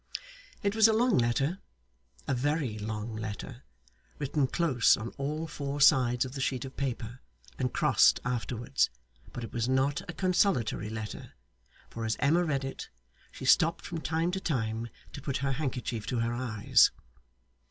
It was a long letter a very long letter, written close on all four sides of the sheet of paper, and crossed afterwards; but it was not a consolatory letter, for as Emma read it she stopped from time to time to put her handkerchief to her eyes.